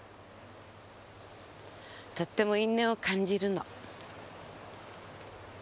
とっても因縁を感じるの。